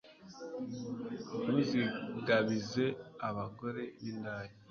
ntuzigabize abagore b'indaya